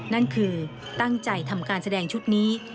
นั่นคือตั้งใจทำการแสดงชุดนี้